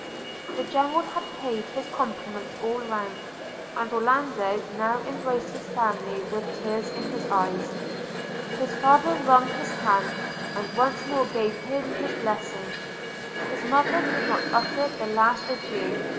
The General had paid his compliments all round, and Orlando now embraced his family with tears in his eyes. His father wrung his hand, and once more gave him his blessing. – His mother could not utter the last adieu!